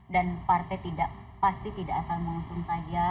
dan partai tidak pasti tidak asal mengusung saja